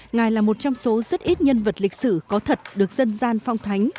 ngài là một trong số rất ít nhân vật lịch sử có thật được dân gian phong thánh